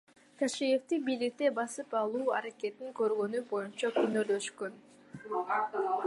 Ташиевди бийликти басып алуу аракетин көргөнү боюнча күнөөлөшкөн.